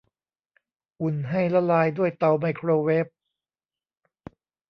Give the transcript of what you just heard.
อุ่นให้ละลายด้วยเตาไมโครเวฟ